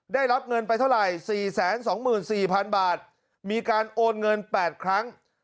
ได้รับเงินไปเท่าไหร่๔๒๔๐๐๐บาทมีการโอนเงิน๘ครั้ง